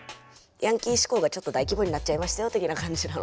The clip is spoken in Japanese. ヤンキー思考がちょっと大規模になっちゃいましたよ的な感じなのかなと。